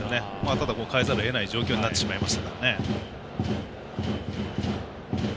ただ、代えざるをえない状況になってしまいましたからね。